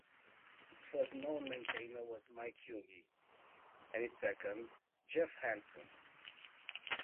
Its first known maintainer was Mike Hughey, and its second, Jeff Hansen.